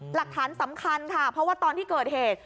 หลักฐานสำคัญค่ะเพราะว่าตอนที่เกิดเหตุ